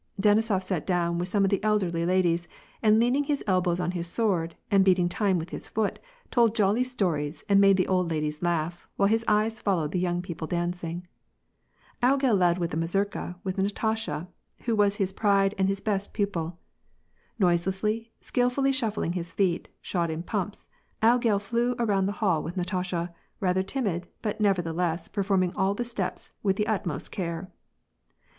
Denisof sat down with some of the elderly ladies, and leaning his elbows on his sword, and beating time with his foot, told jolly stories and made the old ladies laugh, while his eyes followed the young people dancing. logel led the mazurka with Natasha, who was his pride and his best pupil. Noiselessly, skilfully shuffling his feet, shod in pumps, logel flew around the hall with Natasha, rather timid, but, nevertheless, performing all the steps with the ut most care.